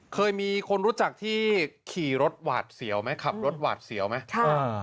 เคยมีคนรู้จักที่ขี่รถหวาดเสียวไหมขับรถหวาดเสียวไหม